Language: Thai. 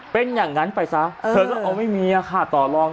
เป็นอย่างนั้นไปซะเธอก็เอาไม่มีค่ะต่อลอง